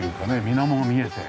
水面が見えて。